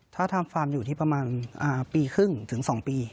ถ้าทำฟาร์มอยู่ที่ประมาณปีครึ่งถึง๒ปี